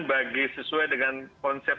bagi sesuai dengan konsep